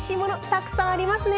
たくさんありますね。